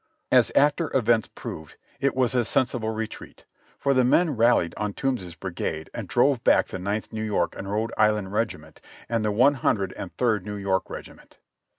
As after events proved, it was a sensible retreat, for the men rallied on Toombs's brigade and drove back the Ninth New York and Rhode Island Regiment and the One Hundred and Third New York Regiment.